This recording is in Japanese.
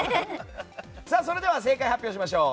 それでは正解発表しましょう。